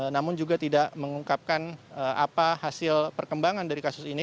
namun juga tidak mengungkapkan apa hasil perkembangan dari kasus ini